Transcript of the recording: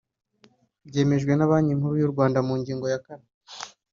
Byemejwe na Banki Nkuru y’u Rwanda mu ngingo ya kane